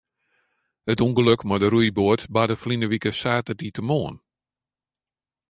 It ûngelok mei de roeiboat barde ferline wike saterdeitemoarn.